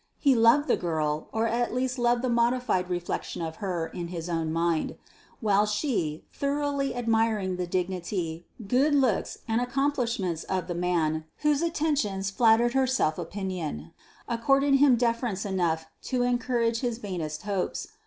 He loved the girl, or at least loved the modified reflection of her in his own mind; while she, thoroughly admiring the dignity, good looks, and accomplishments of the man whose attentions flattered her self opinion, accorded him deference enough to encourage his vainest hopes.